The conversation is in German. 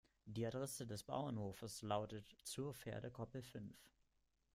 Die Adresse des Bauernhofes lautet zur Pferdekoppel fünf.